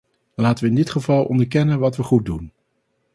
Laten we in dit geval onderkennen wat we goed doen.